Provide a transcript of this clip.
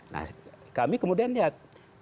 nah kami kemudian lihat